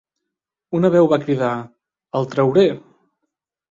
Una veu va cridar: "El trauré!".